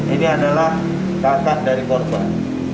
ini adalah kakak dari korban